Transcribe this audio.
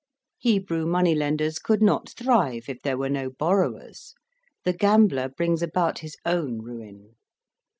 Hebrew money lenders could not thrive if there were no borrowers: the gambler brings about his own ruin.